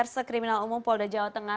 direktur sese kriminal umum polda jawa tengah